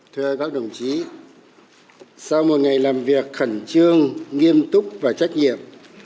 thưa các đồng chí sau một ngày làm việc khẩn trương nghiêm túc và trách nhiệm